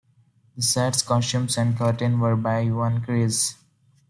The sets, costumes, and curtain were by Juan Gris.